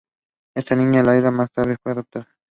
Esta niña, Lyra, más tarde es apodada "She-Hulk".